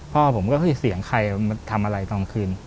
พ่อผมก็คือเสียงใครทำอะไรตอนคืน